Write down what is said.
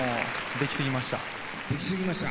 「でき過ぎました」。